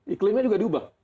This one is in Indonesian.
iklimnya juga diubah